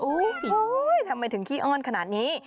โอ้ยทำไมถึงคีออนขนาดนี้